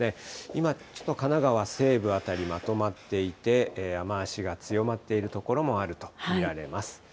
今、ちょっと神奈川西部辺りまとまっていて、雨足が強まっている所もあると見られます。